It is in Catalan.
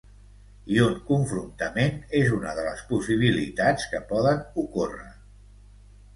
I un confrontament és una de les possibilitats que poden ocórrer.